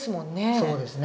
そうですね。